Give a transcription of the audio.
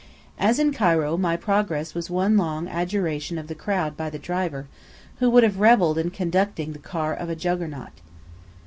As in Cairo, my progress was one long adjuration of the crowd by the driver, who would have revelled in conducting the car of Juggernaut.